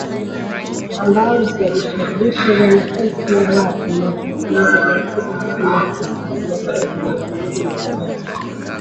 Ambao ulisababisha vifo vya maelfu ya watu mwaka elfu moja mia tisa tisini na tisa na mwaka elfu mbili na tatu.